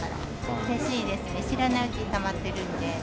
うれしいですね、知らないうちにたまってるんで。